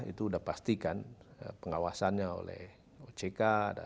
itu sudah pastikan pengawasannya oleh ock